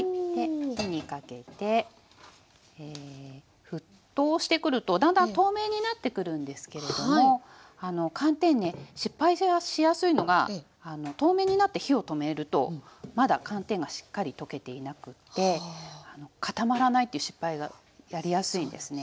火にかけて沸騰してくるとだんだん透明になってくるんですけれども寒天ね失敗しやすいのが透明になって火を止めるとまだ寒天がしっかり溶けていなくって固まらないって失敗がやりやすいんですね。